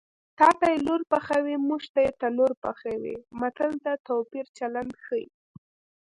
تاته یې لور پخوي موږ ته یې تنور پخوي متل د توپیر چلند ښيي